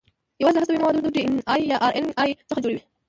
یواځې له هستوي موادو ډي ان اې یا ار ان اې څخه جوړ وي.